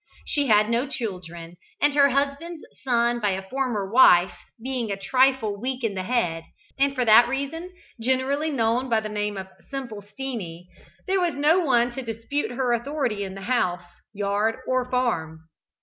She had no children, and her husband's son by a former wife being a trifle weak in the head, and for that reason generally known by the name of "Simple Steenie," there was no one to dispute her authority in house, yard or farm.